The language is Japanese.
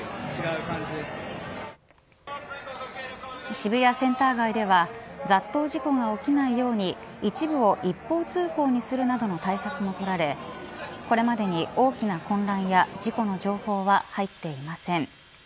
渋谷センター街では雑踏事故が起きないように一部を一方通行にするなどの対策も取られこれまでに大きな混乱や事故の情報は入っていません。